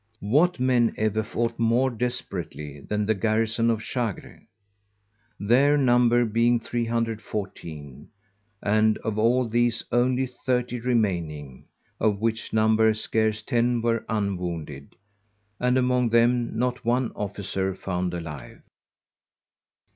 What men ever fought more desperately than the Garrison of_ Chagre? _Their number being 314, and of all these, only thirty remaining; of which number scarce ten were unwounded; and among them, not one officer found alive?